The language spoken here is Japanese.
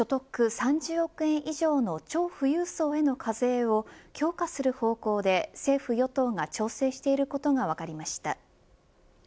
３０億円以上の超富裕層への課税を強化する方向で政府・与党が調整していることが分かりました。